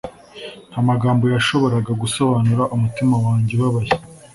nta magambo yashoboraga gusobanurira umutima wanjye ubabaye